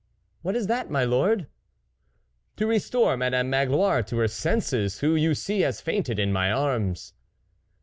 " What is that, my Icrd ?"" To restore Madame Magloire to her senses, who, you see, has fainted in my arms."